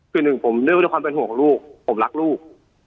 คือหนึ่งผมนึกว่าด้วยความเป็นห่วงของลูกผมรักลูก